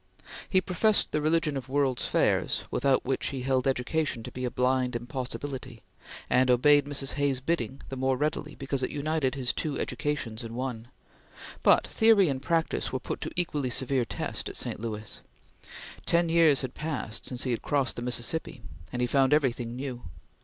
He professed the religion of World's Fairs, without which he held education to be a blind impossibility; and obeyed Mrs. Hay's bidding the more readily because it united his two educations in one; but theory and practice were put to equally severe test at St. Louis. Ten years had passed since he last crossed the Mississippi, and he found everything new.